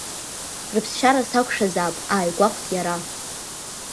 Рыԥсшьара сақәшәазаап ааигәахәт иара.